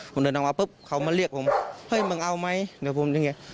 ผมเดินออกมาปุ๊บเขามาเรียกผมเฮ้ยมึงเอาไหมเดี๋ยวผมจะไง